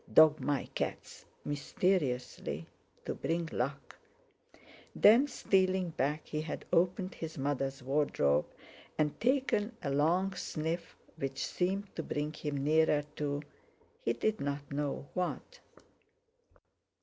Dog my cats!" mysteriously, to bring luck. Then, stealing back, he had opened his mother's wardrobe, and taken a long sniff which seemed to bring him nearer to—he didn't know what.